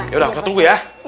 yaudah pausat tunggu ya